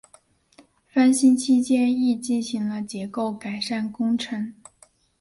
翻新期间亦进行了结构改善工程。